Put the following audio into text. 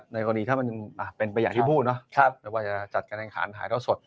ในกรณีถ้ามันเป็นไปอย่างที่พูดหรือว่าจะจัดการแข่งขาดถ่ายเท่าสด